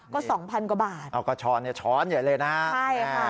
ก็สองพันกว่าบาทเอากระช้อนเนี่ยช้อนใหญ่เลยนะฮะใช่ค่ะ